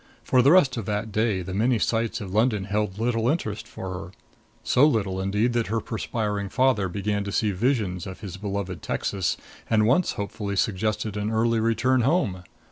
For the rest of that day the many sights of London held little interest for her so little, indeed, that her perspiring father began to see visions of his beloved Texas; and once hopefully suggested an early return home.